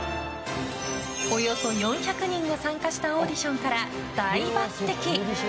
およそ４００人が参加したオーディションから大抜擢。